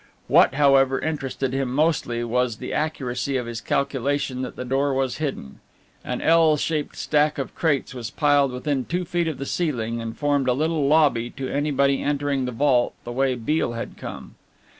What, however, interested him mostly was the accuracy of his calculation that the door was hidden. An "L" shaped stack of crates was piled within two feet of the ceiling, and formed a little lobby to anybody entering the vault the way Beale had come.